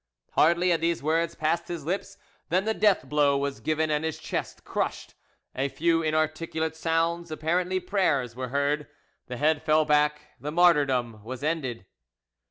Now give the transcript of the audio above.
Hardly had these words passed his lips, than the death blow was given and his chest crushed; a few inarticulate sounds, apparently prayers, were heard; the head fell back, the martyrdom was ended.